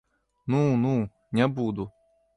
Ну, ну, не буду!